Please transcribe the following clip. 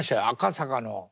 赤坂の。